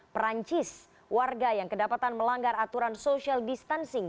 perancis warga yang kedapatan melanggar aturan social distancing